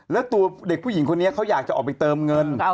แล้วตัวเด็กผู้หญิงคนนี้เขาอยากจะออกไปเติมเงิน